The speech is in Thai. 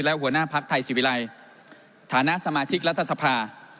และหัวหน้าภักดิ์ไทยศิวิรัยฐานะสมาชิกรัฐสภา